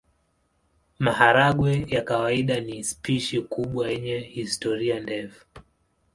Maharagwe ya kawaida ni spishi kubwa yenye historia ndefu.